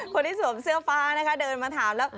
สวมเสื้อฟ้านะคะเดินมาถามแล้ว